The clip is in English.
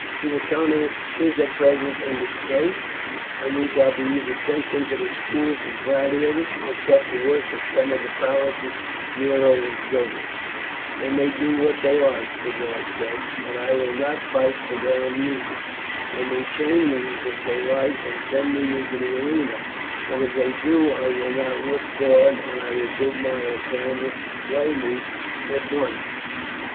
Suetonius is at present in disgrace, and we shall be either sent into the school for gladiators, or set to work at some of the palaces Nero is building." "They may do what they like," Boduoc said, "but I will not fight for their amusement. They may train me if they like and send me into the arena, but if they do I will not lift sword, but will bid my opponent slay me at once."